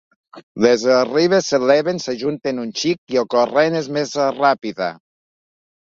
Les ribes s'eleven, s'ajunten un xic i el corrent és més ràpida.